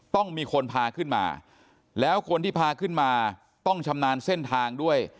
ต้องมีคนพาขึ้นมาแล้วคนที่พาขึ้นมาต้องชำนาญเส้นทางด้วย